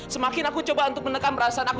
semakin aku menekan perasaan aku